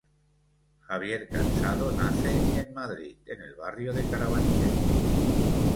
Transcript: Javier Cansado nace en Madrid, en el barrio de Carabanchel.